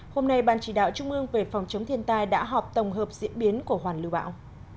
hôm nay ban chỉ đạo trung ương về phòng chống thiên tai đã họp tổng hợp diễn biến của hoàn lưu bão